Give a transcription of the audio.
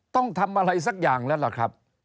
ต้องทำอะไรสักอย่างแล้วล่ะครับ